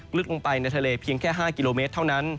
ลึกลงไปในทะเลเพียงแค่๕กิโลเมตรเท่านั้น